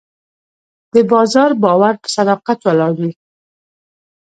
د بازار باور په صداقت ولاړ وي.